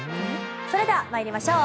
それでは参りましょう。